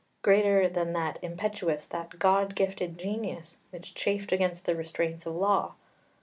greater than that impetuous, that god gifted genius, which chafed against the restraints of law?